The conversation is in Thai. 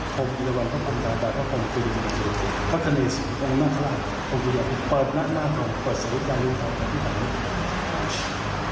ผอมกินไว้ผอมกินกินไปก็คณิตตรงนอกภาพเปิดหน้าประบวนศิริริษะพ่ออยู่ทางที่นี่